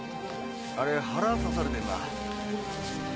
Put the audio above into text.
あれ腹刺されてるな。